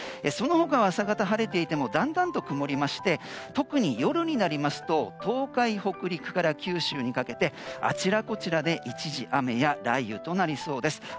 その他は朝方晴れていてもだんだん曇りまして特に夜になりますと東海、北陸から九州にかけて、あちらこちらで一時雨や雷雨となりそうです。